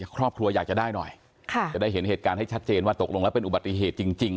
ครอบครัวอยากจะได้หน่อยจะได้เห็นเหตุการณ์ให้ชัดเจนว่าตกลงแล้วเป็นอุบัติเหตุจริง